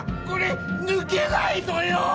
これぬけないのよ！